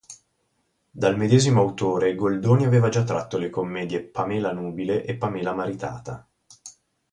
Dal medesimo autore Goldoni aveva già tratto le commedie "Pamela nubile" e "Pamela maritata".